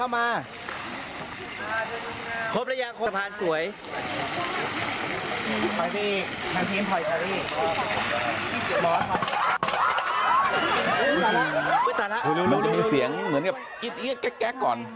มันจะมีเสียงเหมือนกับเอี๊ยดแก๊กก่อน